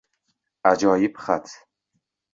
Ajoyib xat